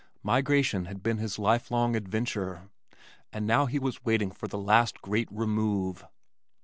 Migration had been his lifelong adventure and now he was waiting for the last great remove.